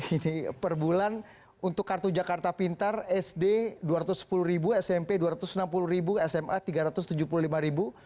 ini perbulan untuk kartu jakarta pintar sd rp dua ratus sepuluh smp rp dua ratus enam puluh sma rp tiga ratus tujuh puluh lima